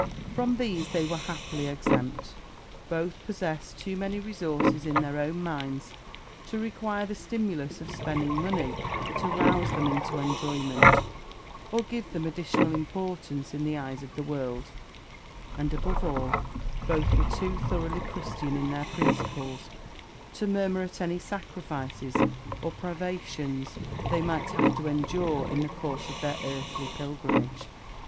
From these they were happily exempt. Both possessed too many resources in their own minds to require the stimulus of spending money to rouse them into enjoyment, or give them additional importance in the eyes of the world; and, above all, both were too thoroughly Christian in their principles to murmur at any sacrifices or privations they might have to endure in the course of their earthly pilgrimage.